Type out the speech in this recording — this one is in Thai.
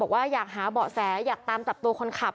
บอกว่าอยากหาเบาะแสอยากตามจับตัวคนขับ